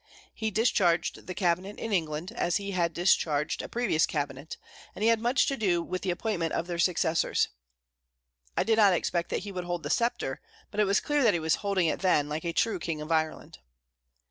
He discharged the Cabinet in England, as he had discharged a previous Cabinet, and he had much to do with the appointment of their successors. I did not expect that he would hold the sceptre, but it was clear that he was holding it then like a true king of Ireland.